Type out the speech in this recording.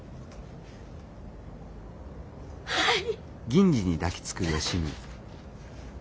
はい！